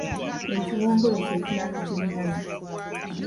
Ekiwongole kye kiraalo kye nyana.